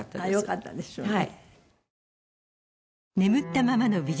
よかったですよね。